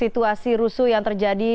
situasi rusuh yang terjadi